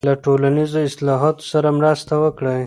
له ټولنیزو اصلاحاتو سره مرسته وکړئ.